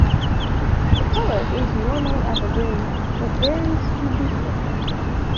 Its color is normally apple-green, but varies to deep green.